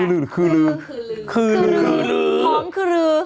อือคืออือ